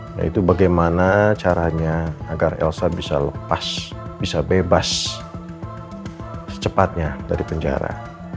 nah itu bagaimana caranya agar elsa bisa lepas bisa bebas secepatnya dari penjara